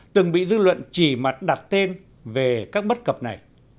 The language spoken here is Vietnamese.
từng bị dư luận chỉ mặt đặt tên về các bất cập này